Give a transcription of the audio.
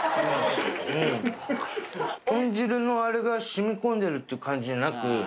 豚汁のあれが染み込んでるっていう感じじゃなく。